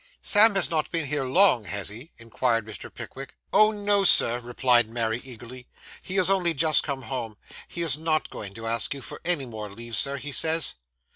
'Sam has not been here long, has he?' inquired Mr. Pickwick. 'Oh, no, Sir,' replied Mary eagerly. 'He has only just come home. He is not going to ask you for any more leave, Sir, he says.